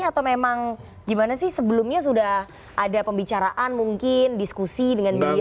atau memang gimana sih sebelumnya sudah ada pembicaraan mungkin diskusi dengan beliau